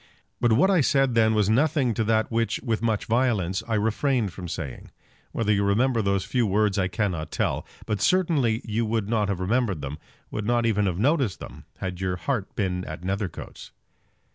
But what I said then was nothing to that which, with much violence, I refrained from saying. Whether you remember those few words I cannot tell; but certainly you would not have remembered them, would not even have noticed them, had your heart been at Nethercoats.